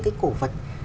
cái cổ vật